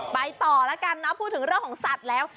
ไปต่อแล้วกันนะพูดถึงเรื่องของสัตว์แล้ว